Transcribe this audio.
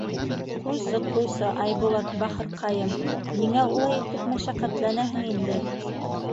— Ҡуйсы, ҡуйсы, Айбулат бахырҡайым, ниңә улай итеп мәшәҡәтләнәһең инде.